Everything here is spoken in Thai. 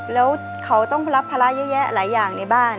แล้วเขาต้องรับภาระเยอะแยะหลายอย่างในบ้าน